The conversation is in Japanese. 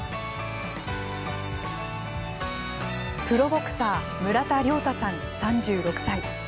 プロボクサー村田諒太さん、３６歳。